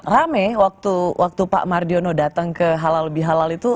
rame waktu pak mardiono datang ke halal bihalal itu